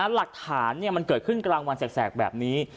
หลักฐานมันเกิดขึ้นกลางวันแสกแบบนี้